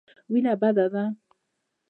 وېنه بده ده.